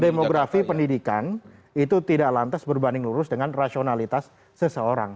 demografi pendidikan itu tidak lantas berbanding lurus dengan rasionalitas seseorang